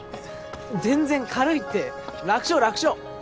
全然軽いって楽勝楽勝。